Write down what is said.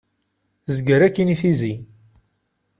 Zger akkin i tizi.